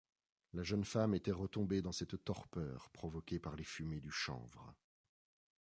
La jeune femme était retombée dans cette torpeur provoquée par les fumées du chanvre.